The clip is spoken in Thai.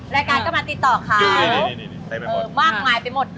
รายการก็มาติดต่อเขามากมายไปหมดเลยดูดีได้ไปหมด